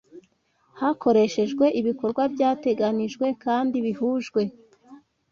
hakoreshejwe ibikorwa byateganijwe kandi bihujwe